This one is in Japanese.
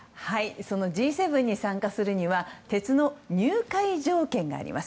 そのＧ７に参加するには鉄の入会条件があります。